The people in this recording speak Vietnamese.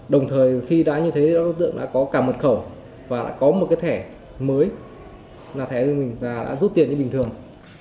đồng thời khi đã như thế đối tượng đã có cả mật khẩu và đã có một cái thẻ mới là thẻ của mình và đã rút tiền như bình thường